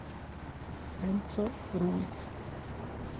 Enzo Ruiz